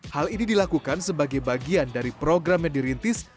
hal ini dilakukan sebagai bagian dari program yang dirintis